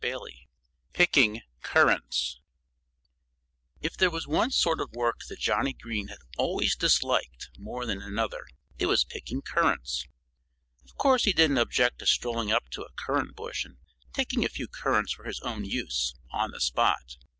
VI PICKING CURRANTS If there was one sort of work that Johnnie Green had always disliked more than another, it was picking currants. Of course he didn't object to strolling up to a currant bush and taking a few currants for his own use, on the spot.